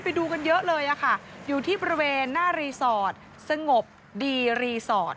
ไปดูกันเยอะเลยค่ะอยู่ที่บริเวณหน้ารีสอร์ทสงบดีรีสอร์ท